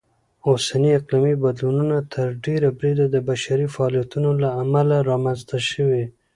اوسني اقلیمي بدلونونه تر ډېره بریده د بشري فعالیتونو لهامله رامنځته شوي.